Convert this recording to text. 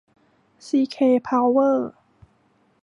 ซีเค พาวเวอร์